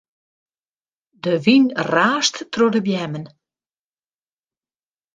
De wyn raast troch de beammen.